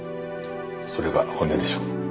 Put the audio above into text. それが本音でしょう。